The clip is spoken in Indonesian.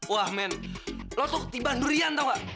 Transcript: wah men lo tuh ketiban durian tau gak